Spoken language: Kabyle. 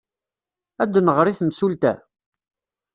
Ad d-nɣer i temsulta?